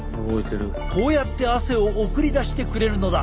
こうやって汗を送り出してくれるのだ。